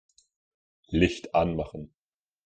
Licht anmachen.